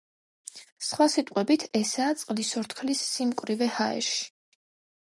სხვა სიტყვებით, ესაა წყლის ორთქლის სიმკვრივე ჰაერში.